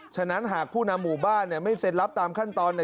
ฉะนั้นหากผู้นำหมู่บ้านไม่เซ็นรับตามขั้นตอนเนี่ย